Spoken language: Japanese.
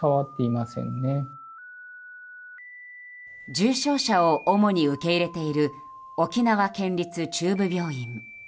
重症者を主に受け入れている沖縄県立中部病院。